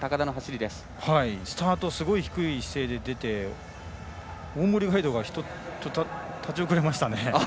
スタートすごい低い姿勢で出て大森ガイドが立ち遅れましたね。